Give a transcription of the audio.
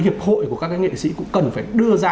hiệp hội của các nghệ sĩ cũng cần phải đưa ra